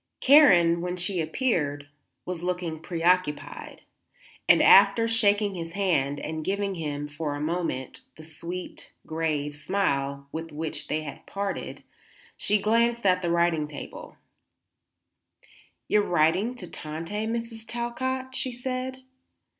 Karen, when she appeared, was looking preoccupied, and after shaking his hand and giving him, for a moment, the sweet, grave smile with which they had parted, she glanced at the writing table. "You are writing to Tante, Mrs. Talcott?" she said.